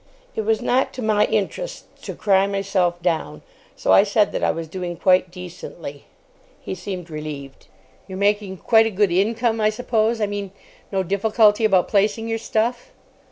It was not to my interests to cry myself down, so I said that I was doing quite decently. He seemed relieved. "You're making quite a good income, I suppose? I mean, no difficulty about placing your stuff?"